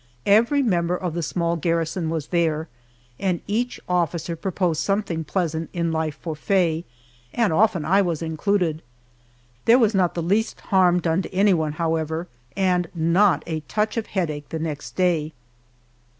Every member of the small garrison was there, and each officer proposed something pleasant in life for Faye, and often I was included. There was not the least harm done to anyone, however, and not a touch of headache the next day.